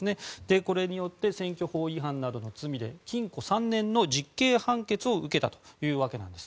これによって選挙法違反などの罪で禁固３年の実刑判決を受けたわけなんです。